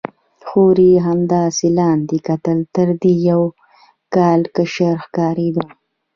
خور یې همداسې لاندې کتل، تر دې یو کال کشره ښکارېده.